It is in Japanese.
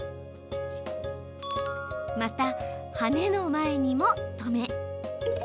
また、はねの前にも止め。